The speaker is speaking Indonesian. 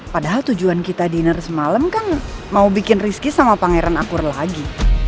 padahal tujuan kita dinner semalam kan mau bikin rizky sama pangeran akur lagi